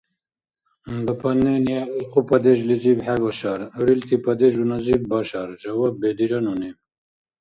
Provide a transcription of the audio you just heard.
— Дополнение уйхъу падежлизиб хӀебашар, гӀурилти падежуназиб башар, — жаваб бедира нуни.